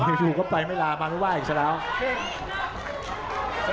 ไปอยู่ก็ไปไม่ลามาหนู่ว่าอีกใช่ไหมครับ